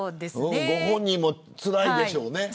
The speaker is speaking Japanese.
ご本人もつらいでしょうね。